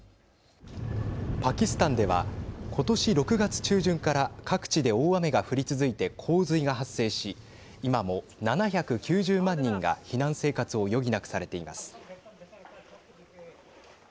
パキスタンでは今年６月中旬から各地で大雨が降り続いて洪水が発生し今も７９０万人が避難生活を余儀なくされています。